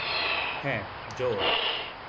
হাঁ, জোর।